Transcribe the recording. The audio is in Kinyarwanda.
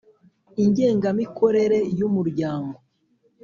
ingenga mikorere y’Umuryango.